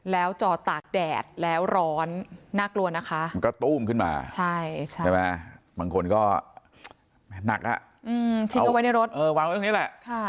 แล้วจอดตากแดดแล้วร้อนน่ากลัวนะคะมันก็ตู้มขึ้นมาบางคนก็หนักอ่ะทิ้งเอาไว้ในรถวางไว้ตรงนี้แหละ